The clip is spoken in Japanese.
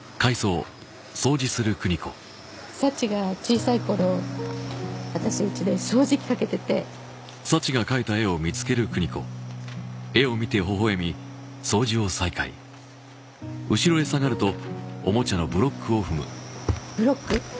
サチが小さいころ私うちで掃除機かけててブロック？